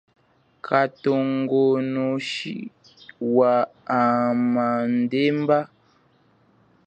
Kathongonoshi wa hamandemba.